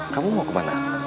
kamu mau kemana